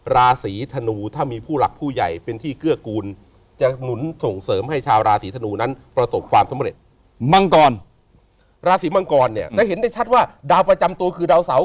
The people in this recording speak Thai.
ราศีมังกรจะเห็นได้ชัดว่าดาวประจำตัวคือดาวสาว